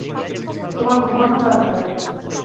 তোমার ঘুমানো দরকার।